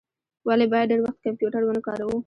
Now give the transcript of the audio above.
ولي باید ډیر وخت کمپیوټر و نه کاروو؟